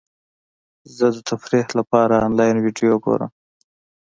زه د تفریح لپاره انلاین ویډیو ګورم.